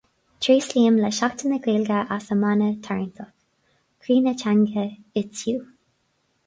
Tréaslaím le Seachtain na Gaeilge as a mana tarraingteach "Croí na Teanga: It's you".